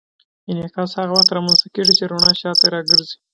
انعکاس هغه وخت رامنځته کېږي چې رڼا شاته راګرځي.